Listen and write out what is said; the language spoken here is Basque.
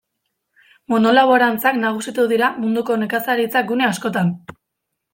Monolaborantzak nagusitu dira munduko nekazaritza gune askotan.